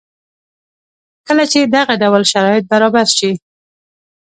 کله چې دغه ډول شرایط برابر شي